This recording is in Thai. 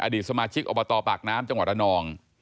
อดีตสมาชิกอบตปากน้ำจระนอง